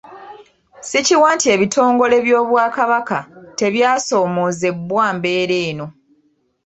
Sikiwa nti ebitongole by'Obwakabaka tebyasoomoozebwa mbeera eno.